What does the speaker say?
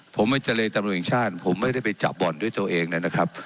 ผมไม่เจรตำรวจแห่งชาติผมไม่ได้ไปจับบ่อนด้วยตัวเองเลยนะครับ